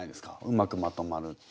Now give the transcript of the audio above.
うまくまとまる。